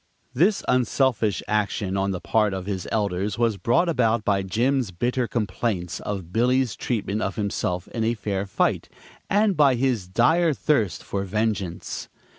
This unselfish action on the part of his elders was brought about by Jim's bitter complaints of Billy's treatment of himself in a fair fight, and by his dire thirst for vengeance.